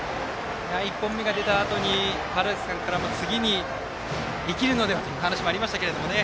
１本目が出たあとに川原崎さんからも、次に生きるのではという話がありましたが。